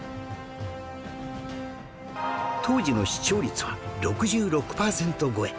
当時の視聴率は６６パーセント超え